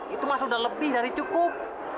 itu mas sudah lebih dari cukup